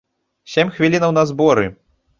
Сем хвілінаў на зборы.